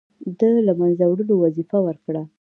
د له منځه وړلو وظیفه ورکړه.